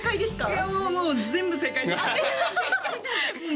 いやもうもう全部正解ですあっ